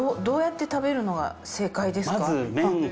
どうやって食べるのが正解ですか？